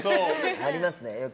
ありますね、よく。